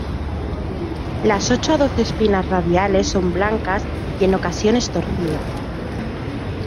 Las ocho a doce espinas radiales son blancas y en ocasiones torcidas.